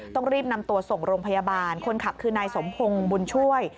ต้องรีบนำตัวส่งโรงพยาบาลคนขับคือนายสมพงศ์บุญช่วย